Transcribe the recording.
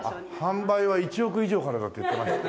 販売は１億以上からだって言ってました。